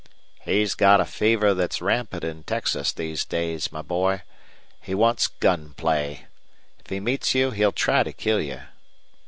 "He's got a fever that's rampant in Texas these days, my boy. He wants gun play. If he meets you he'll try to kill you."